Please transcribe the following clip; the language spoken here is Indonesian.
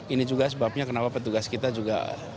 ini juga sebabnya kenapa petugas kita juga